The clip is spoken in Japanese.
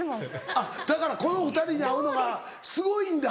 あっだからこの２人に会うのがすごいんだ。